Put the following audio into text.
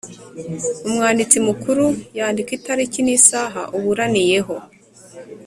Umwanditsi Mukuru yandika itariki n isaha uburaniyeho